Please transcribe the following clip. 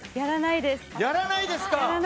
やらないです。